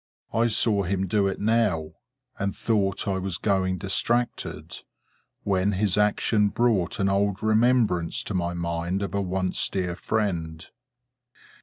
I saw him do it now, and thought I was going distracted, when his action brought an old remembrance to my mind of a once dear friend.